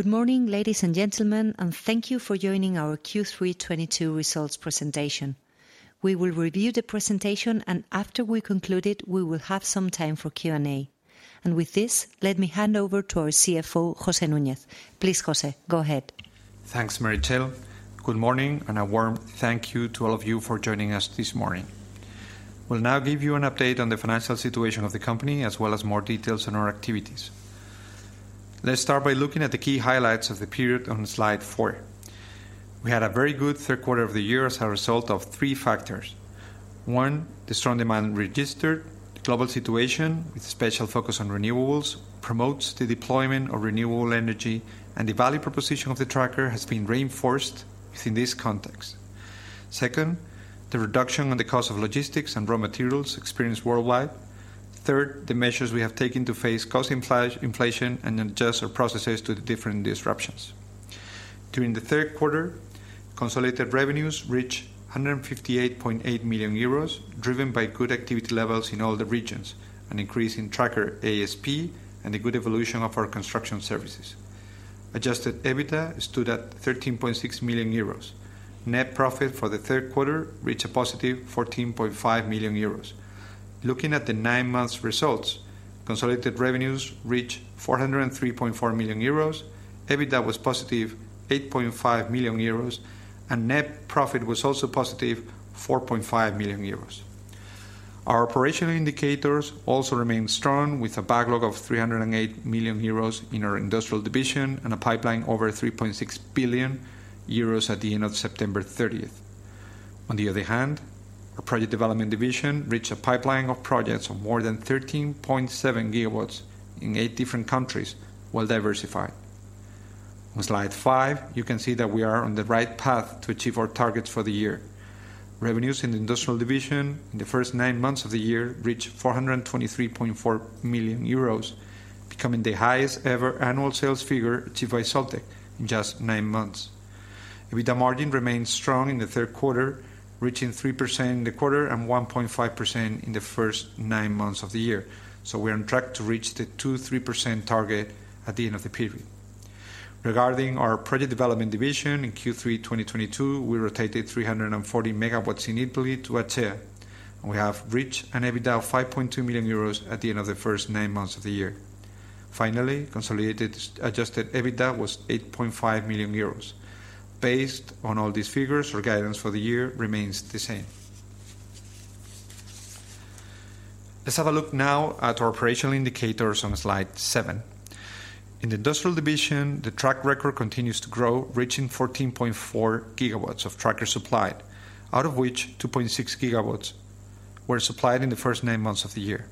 Good morning, ladies and gentlemen, and thank you for joining our Q3 2022 results presentation. We will review the presentation, and after we conclude it, we will have some time for Q&A. With this, let me hand over to our CFO, José Núñez. Please, José, go ahead. Thanks, Meritxell. Good morning, and a warm thank you to all of you for joining us this morning. We'll now give you an update on the financial situation of the company, as well as more details on our activities. Let's start by looking at the key highlights of the period on slide four. We had a very good third quarter of the year as a result of three factors. One, the strong demand registered in the global situation, with special focus on renewables, promotes the deployment of renewable energy, and the value proposition of the tracker has been reinforced within this context. Second, the reduction in the cost of logistics and raw materials experienced worldwide. Third, the measures we have taken to face cost inflation and adjust our processes to the different disruptions. During the third quarter, consolidated revenues reached 158.8 million euros, driven by good activity levels in all the regions, an increase in tracker ASP, and the good evolution of our construction services. Adjusted EBITDA stood at 13.6 million euros. Net profit for the third quarter reached a positive 14.5 million euros. Looking at the nine months results, consolidated revenues reached 403.4 million euros. EBITDA was positive 8.5 million euros, and net profit was also positive 4.5 million euros. Our operational indicators also remain strong, with a backlog of 308 million euros in our industrial division and a pipeline over 3.6 billion euros at the end of September 30. On the other hand, our project development division reached a pipeline of projects of more than 13.7 GW in eight different countries, well-diversified. On slide five, you can see that we are on the right path to achieve our targets for the year. Revenues in the industrial division in the first nine months of the year reached 423.4 million euros, becoming the highest ever annual sales figure achieved by Soltec in just nine months. EBITDA margin remained strong in the third quarter, reaching 3% in the quarter and 1.5% in the first nine months of the year. We are on track to reach the 2%-3% target at the end of the period. Regarding our project development division, in Q3 2022, we rotated 340 MW in Italy to ACEA. We have reached an EBITDA of 5.2 million euros at the end of the first nine months of the year. Finally, consolidated Adjusted EBITDA was 8.5 million euros. Based on all these figures, our guidance for the year remains the same. Let's have a look now at our operational indicators on slide seven. In the industrial division, the track record continues to grow, reaching 14.4 GW of tracker supplied, out of which 2.6 GW were supplied in the first nine months of the year.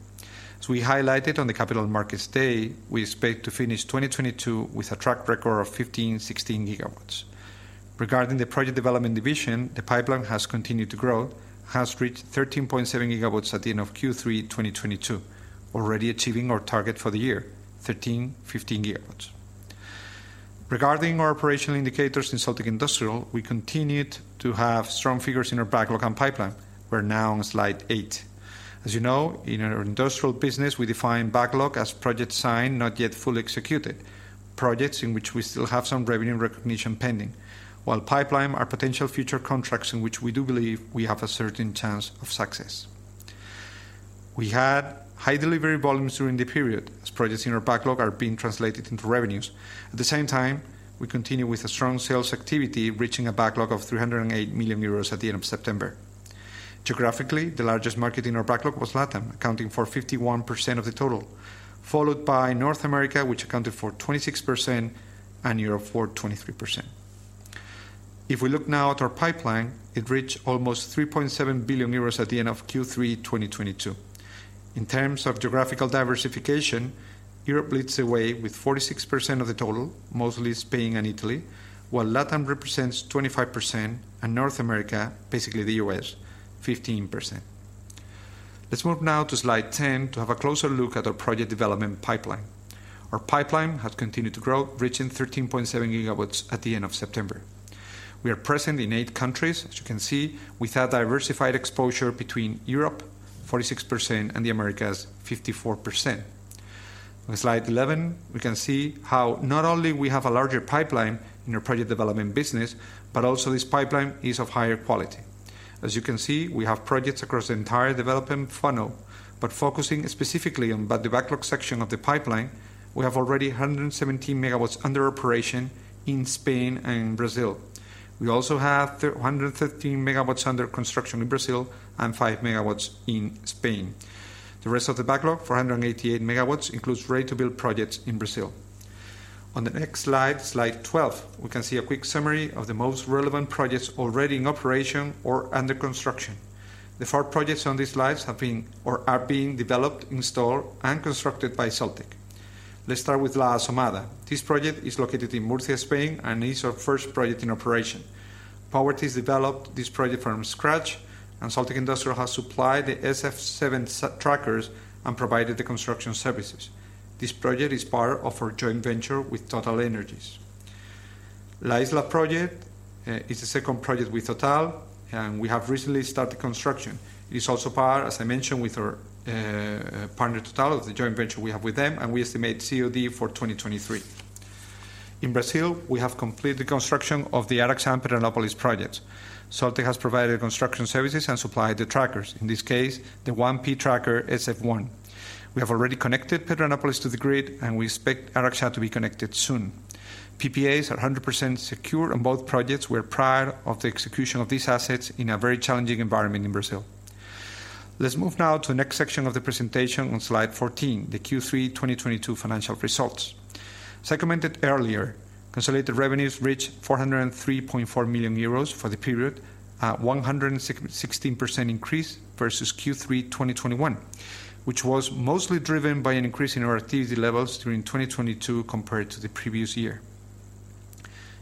As we highlighted on the Capital Markets Day, we expect to finish 2022 with a track record of 15GW-16 GW. Regarding the project development division, the pipeline has continued to grow, has reached 13.7 GW at the end of Q3 2022, already achieving our target for the year, 13 GW-15 GW. Regarding our operational indicators in Soltec Industrial, we continued to have strong figures in our backlog and pipeline. We're now on slide eight. As you know, in our industrial business, we define backlog as project signed, not yet fully executed, projects in which we still have some revenue recognition pending. While pipeline are potential future contracts in which we do believe we have a certain chance of success. We had high delivery volumes during the period as projects in our backlog are being translated into revenues. At the same time, we continue with a strong sales activity, reaching a backlog of 308 million euros at the end of September. Geographically, the largest market in our backlog was LATAM, accounting for 51% of the total, followed by North America, which accounted for 26%, and Europe for 23%. If we look now at our pipeline, it reached almost 3.7 billion euros at the end of Q3 2022. In terms of geographical diversification, Europe leads the way with 46% of the total, mostly Spain and Italy, while LATAM represents 25% and North America, basically the U.S., 15%. Let's move now to slide 10 to have a closer look at our project development pipeline. Our pipeline has continued to grow, reaching 13.7 GW at the end of September. We are present in eight countries, as you can see, with a diversified exposure between Europe, 46%, and the Americas, 54%. On slide 11, we can see how not only we have a larger pipeline in our project development business, but also this pipeline is of higher quality. As you can see, we have projects across the entire development funnel, but focusing specifically on the backlog section of the pipeline, we have already 117 MW under operation in Spain and Brazil. We also have 313 MW under construction in Brazil and 5 MW in Spain. The rest of the backlog, 488 MW, includes Ready-to-Build projects in Brazil. On the next slide 12, we can see a quick summary of the most relevant projects already in operation or under construction. The four projects on these slides have been or are being developed, installed, and constructed by Soltec. Let's start with La Asomada. This project is located in Murcia, Spain, and is our first project in operation. Powertis developed this project from scratch, and Soltec Industrial has supplied the SF7 trackers and provided the construction services. This project is part of our joint venture with TotalEnergies. La Isla project is the second project with Total, and we have recently started construction. It is also part, as I mentioned, with our partner Total, of the joint venture we have with them, and we estimate COD for 2023. In Brazil, we have completed construction of the Araxá and Pedranópolis projects. Soltec has provided construction services and supplied the trackers, in this case, the 1P tracker SFOne. We have already connected Pedranópolis to the grid, and we expect Araxá to be connected soon. PPAs are 100% secure on both projects. We are proud of the execution of these assets in a very challenging environment in Brazil. Let's move now to the next section of the presentation on slide 14, the Q3 2022 financial results. As I commented earlier, consolidated revenues reached 403.4 million euros for the period at 16% increase versus Q3 2021, which was mostly driven by an increase in our activity levels during 2022 compared to the previous year.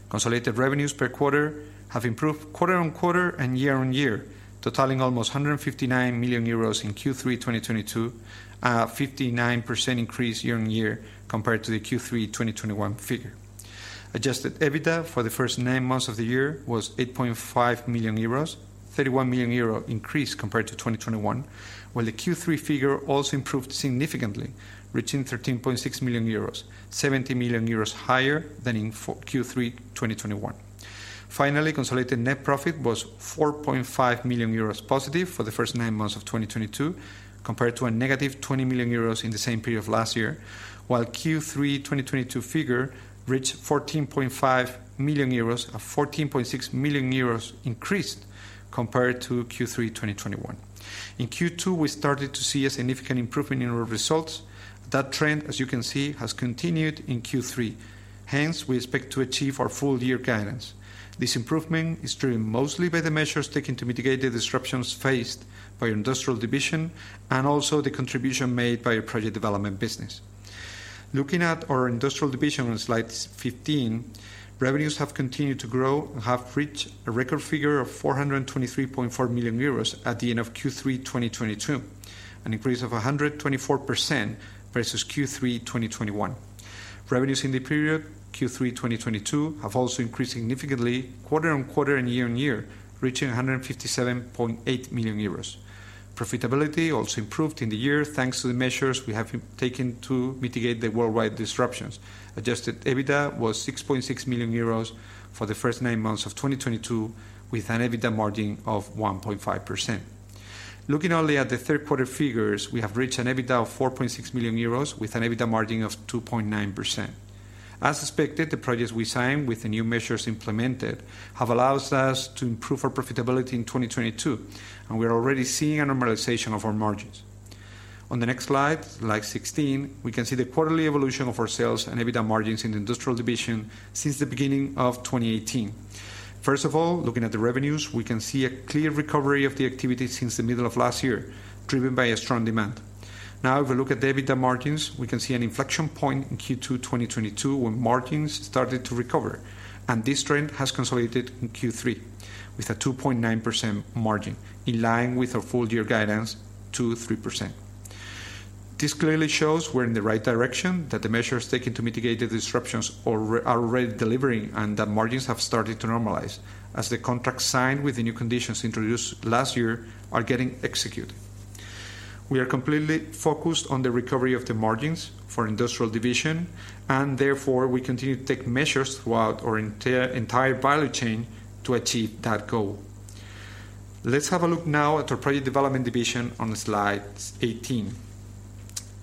Consolidated revenues per quarter have improved quarter-on-quarter and year-on-year, totaling almost 159 million euros in Q3 2022, at a 59% increase year-on-year compared to the Q3 2021 figure. Adjusted EBITDA for the first nine months of the year was 8.5 million euros, 31 million euro increase compared to 2021, while the Q3 figure also improved significantly, reaching 13.6 million euros, 70 million euros higher than in Q3 2021. Finally, consolidated net profit was 4.5 million euros positive for the first nine months of 2022, compared to a negative 20 million euros in the same period of last year, while Q3 2022 figure reached 14.5 million euros, a 14.6 million euros increase compared to Q3 2021. In Q2, we started to see a significant improvement in our results. That trend, as you can see, has continued in Q3. Hence, we expect to achieve our full year guidance. This improvement is driven mostly by the measures taken to mitigate the disruptions faced by our industrial division and also the contribution made by our project development business. Looking at our industrial division on slide 15, revenues have continued to grow and have reached a record figure of 423.4 million euros at the end of Q3 2022, an increase of 124% versus Q3 2021. Revenues in the period Q3 2022 have also increased significantly quarter-on-quarter and year-on-year, reaching 157.8 million euros. Profitability also improved in the year, thanks to the measures we have taken to mitigate the worldwide disruptions. Adjusted EBITDA was 6.6 million euros for the first nine months of 2022, with an EBITDA margin of 1.5%. Looking only at the third quarter figures, we have reached an EBITDA of 4.6 million euros with an EBITDA margin of 2.9%. As expected, the projects we signed with the new measures implemented have allowed us to improve our profitability in 2022, and we are already seeing a normalization of our margins. On the next slide 16, we can see the quarterly evolution of our sales and EBITDA margins in the industrial division since the beginning of 2018. First of all, looking at the revenues, we can see a clear recovery of the activity since the middle of last year, driven by a strong demand. Now, if we look at the EBITDA margins, we can see an inflection point in Q2 2022 when margins started to recover, and this trend has consolidated in Q3 with a 2.9% margin, in line with our full year guidance, 2%-3%. This clearly shows we're in the right direction, that the measures taken to mitigate the disruptions are already delivering, and that margins have started to normalize as the contracts signed with the new conditions introduced last year are getting executed. We are completely focused on the recovery of the margins for industrial division, and therefore, we continue to take measures throughout our entire value chain to achieve that goal. Let's have a look now at our project development division on slide 18.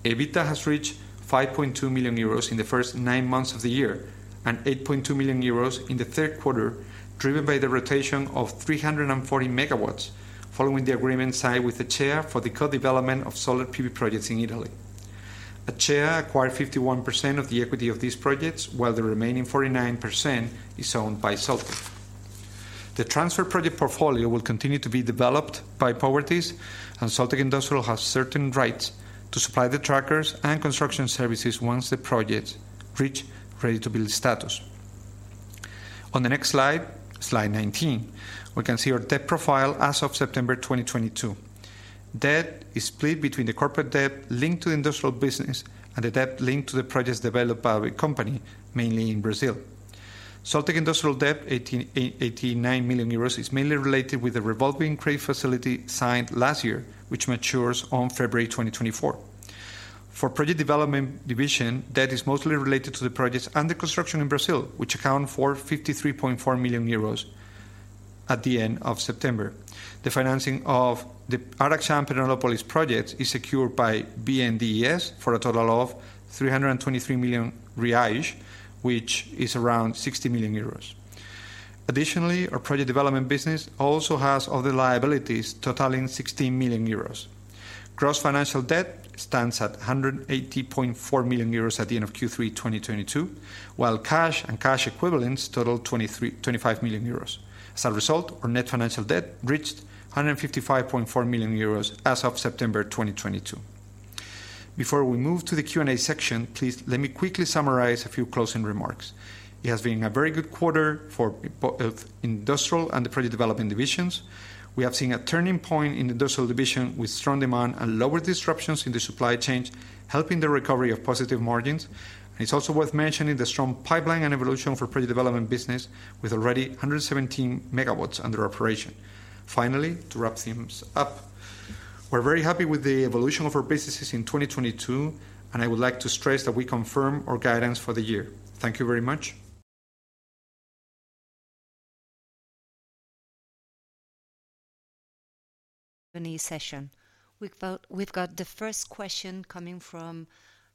EBITDA has reached 5.2 million euros in the first nine months of the year and 8.2 million euros in the third quarter, driven by the rotation of 340 MW following the agreement signed with ACEA for the co-development of solar PV projects in Italy. ACEA acquired 51% of the equity of these projects, while the remaining 49% is owned by Soltec. The transferred project portfolio will continue to be developed by Powertis, and Soltec Industrial has certain rights to supply the trackers and construction services once the projects reach Ready-to-Build status. On the next slide 19, we can see our debt profile as of September 2022. Debt is split between the corporate debt linked to the industrial business and the debt linked to the projects developed by the company, mainly in Brazil. Soltec Industrial debt, 89 million euros, is mainly related with the revolving credit facility signed last year, which matures on February 2024. For project development division, debt is mostly related to the projects under construction in Brazil, which account for 53.4 million euros at the end of September. The financing of the Araxá andPedranópolis projects is secured by BNDES for a total of 323 million reais, which is around 60 million euros. Additionally, our project development business also has other liabilities totaling 16 million euros. Gross financial debt stands at 180.4 million euros at the end of Q3 2022, while cash and cash equivalents total 25 million euros. As a result, our net financial debt reached 155.4 million euros as of September 2022. Before we move to the Q&A section, please let me quickly summarize a few closing remarks. It has been a very good quarter for both industrial and the project development divisions. We have seen a turning point in industrial division with strong demand and lower disruptions in the supply chains, helping the recovery of positive margins. It's also worth mentioning the strong pipeline and evolution for project development business, with already 117 MW under operation. Finally, to wrap things up, we're very happy with the evolution of our businesses in 2022, and I would like to stress that we confirm our guidance for the year. Thank you very much. Q&A session. We've got the first question coming from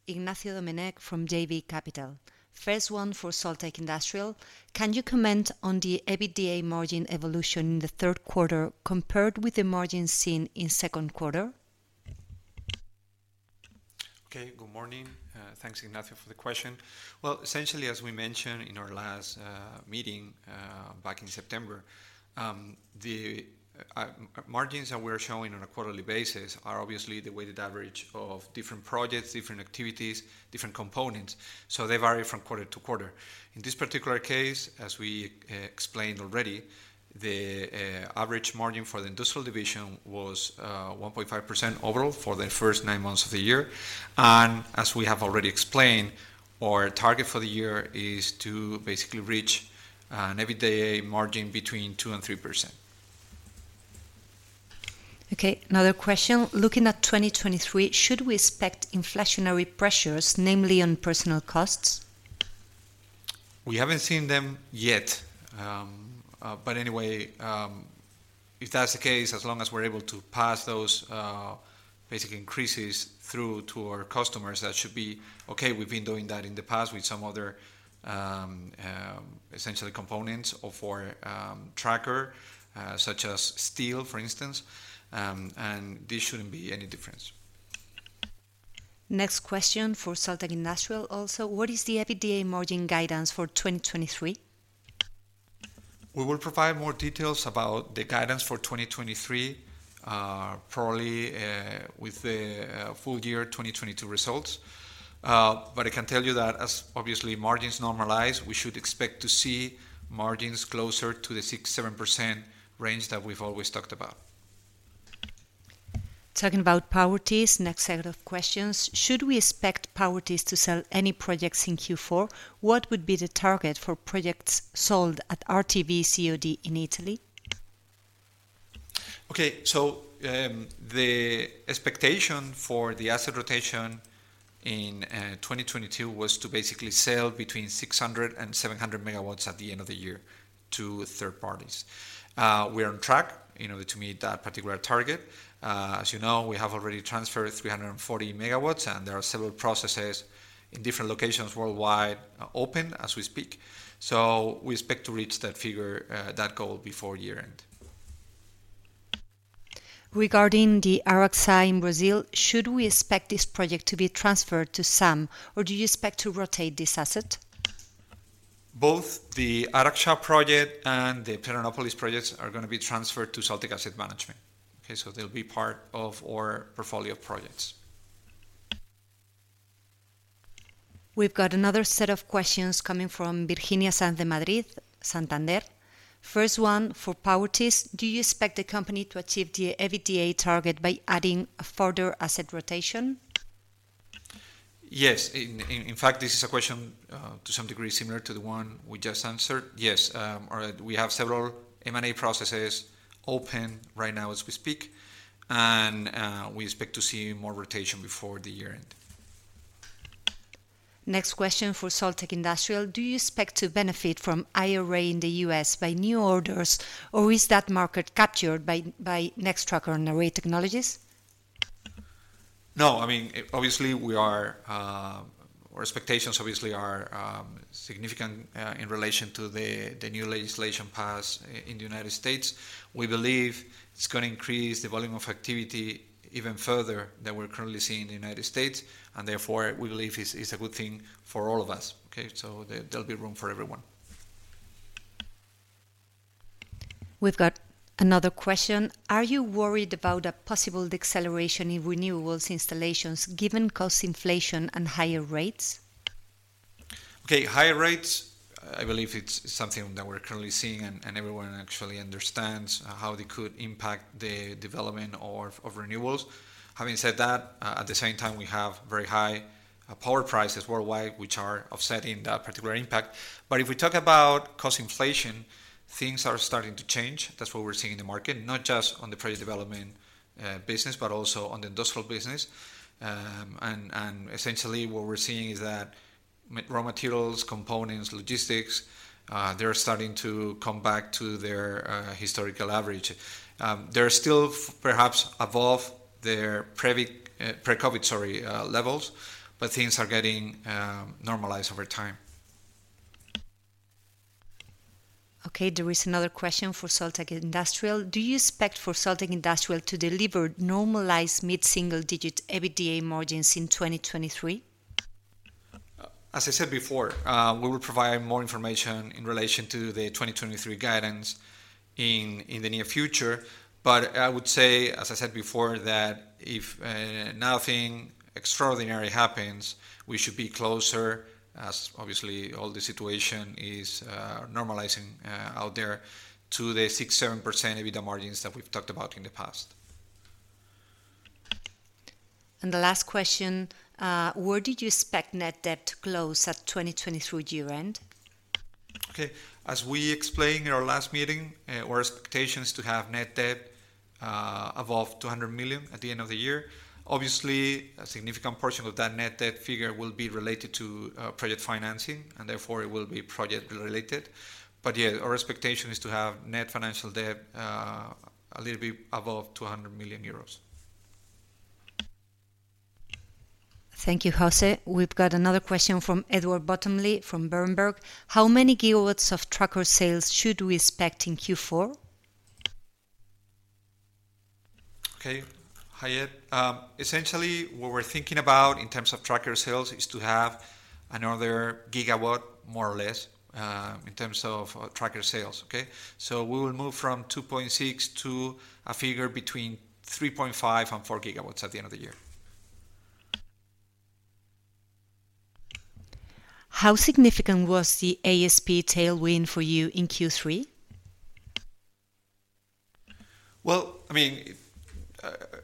Ignacio Domenech from JB Capital. First one for Soltec Industrial: Can you comment on the EBITDA margin evolution in the third quarter compared with the margin seen in second quarter? Okay. Good morning. Thanks, Ignacio, for the question. Well, essentially, as we mentioned in our last meeting back in September, the margins that we're showing on a quarterly basis are obviously the weighted average of different projects, different activities, different components, so they vary from quarter to quarter. In this particular case, as we explained already, the average margin for the industrial division was 1.5% overall for the first nine months of the year. As we have already explained, our target for the year is to basically reach an EBITDA margin between 2%-3%. Okay. Another question. Looking at 2023, should we expect inflationary pressures, namely on personnel costs? We haven't seen them yet. Anyway, if that's the case, as long as we're able to pass those basic increases through to our customers, that should be okay. We've been doing that in the past with some other essentially components or for tracker such as steel, for instance, and this shouldn't be any difference. Next question for Soltec Industrial also. What is the EBITDA margin guidance for 2023? We will provide more details about the guidance for 2023, probably, with the full year 2022 results. I can tell you that as obviously margins normalize, we should expect to see margins closer to the 6%-7% range that we've always talked about. Talking about Powertis, next set of questions. Should we expect Powertis to sell any projects in Q4? What would be the target for projects sold at RTB/COD in Italy? Okay. The expectation for the asset rotation in 2022 was to basically sell between 600 MW and 700 MW at the end of the year to third parties. We are on track, you know, to meet that particular target. As you know, we have already transferred 340 MW, and there are several processes in different locations worldwide open as we speak. We expect to reach that figure, that goal before year-end. Regarding the Araxá in Brazil, should we expect this project to be transferred to SAM, or do you expect to rotate this asset? Both the Araxá project and the Pedranópolis projects are gonna be transferred to Soltec Asset Management. Okay? They'll be part of our portfolio projects. We've got another set of questions coming from Virginia Sanz de Madrid, Santander. First one, for Powertis, do you expect the company to achieve the EBITDA target by adding a further asset rotation? Yes. In fact, this is a question to some degree similar to the one we just answered. Yes, all right, we have several M&A processes open right now as we speak, and we expect to see more rotation before the year-end. Next question for Soltec Industrial. Do you expect to benefit from IRA in the U.S. by new orders, or is that market captured by Nextracker and Array Technologies? No. I mean, obviously we are. Our expectations obviously are significant in relation to the new legislation passed in the United States. We believe it's gonna increase the volume of activity even further than we're currently seeing in the United States, and therefore, we believe it's a good thing for all of us. Okay? There'll be room for everyone. We've got another question. Are you worried about a possible deceleration in renewables installations given cost inflation and higher rates? Okay. Higher rates, I believe it's something that we're currently seeing, and everyone actually understands how they could impact the development of renewables. Having said that, at the same time, we have very high power prices worldwide, which are offsetting that particular impact. If we talk about cost inflation, things are starting to change. That's what we're seeing in the market, not just on the project development business, but also on the industrial business. And essentially what we're seeing is that raw materials, components, logistics, they're starting to come back to their historical average. They're still perhaps above their pre-COVID levels, but things are getting normalized over time. Okay. There is another question for Soltec Industrial. Do you expect for Soltec Industrial to deliver normalized mid-single-digit EBITDA margins in 2023? As I said before, we will provide more information in relation to the 2023 guidance in the near future. I would say, as I said before, that if nothing extraordinary happens, we should be closer, as obviously all the situation is normalizing out there, to the 6%-7% EBITDA margins that we've talked about in the past. The last question, where did you expect net debt to close at 2023 year-end? Okay. As we explained in our last meeting, our expectation is to have net debt above 200 million at the end of the year. Obviously, a significant portion of that net debt figure will be related to project financing, and therefore it will be project-related. Yeah, our expectation is to have net financial debt a little bit above 200 million euros. Thank you, José. We've got another question from Edward Bottomley from Berenberg. How many gigawatts of tracker sales should we expect in Q4? Okay. Hi, Ed. Essentially, what we're thinking about in terms of tracker sales is to have another gigawatt, more or less, okay? We will move from 2.6 to a figure between 3.5 GW and 4 GW at the end of the year. How significant was the ASP tailwind for you in Q3? Well, I mean,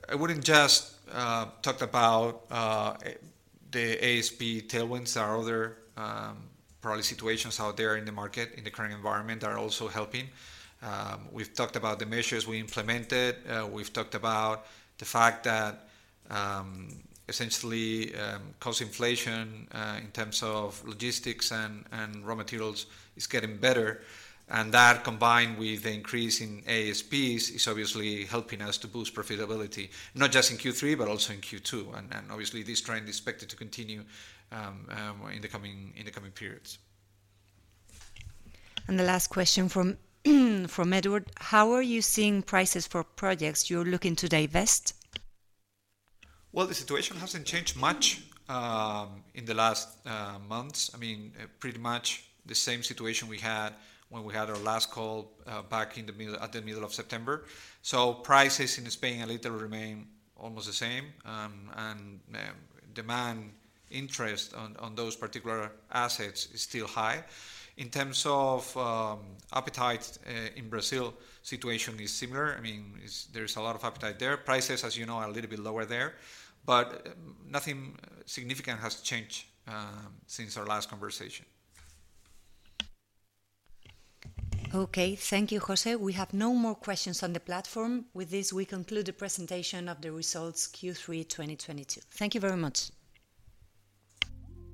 I wouldn't just talk about the ASP tailwinds. There are other probably situations out there in the market in the current environment that are also helping. We've talked about the measures we implemented. We've talked about the fact that essentially cost inflation in terms of logistics and raw materials is getting better. That combined with the increase in ASPs is obviously helping us to boost profitability, not just in Q3, but also in Q2. Obviously this trend is expected to continue in the coming periods. The last question from Edward: How are you seeing prices for projects you're looking to divest? Well, the situation hasn't changed much in the last months. I mean, pretty much the same situation we had when we had our last call back at the middle of September. Prices in Spain and Italy remain almost the same, and demand and interest on those particular assets is still high. In terms of appetite in Brazil, situation is similar. I mean, there is a lot of appetite there. Prices, as you know, are a little bit lower there. Nothing significant has changed since our last conversation. Okay. Thank you, José. We have no more questions on the platform. With this, we conclude the presentation of the results Q3 2022. Thank you very much.